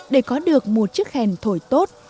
để có được một chiếc khen thổi tốt